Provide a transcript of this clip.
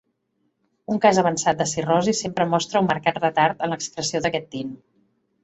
Un cas avançat de cirrosi sempre mostra un marcat retard en l'excreció d'aquest tint.